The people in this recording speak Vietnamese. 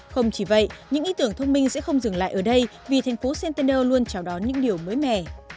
không chỉ vậy những ý tưởng thông minh sẽ không dừng lại ở đây vì thành phố center luôn chào đón những điều mới mẻ